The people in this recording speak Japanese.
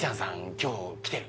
今日来てる？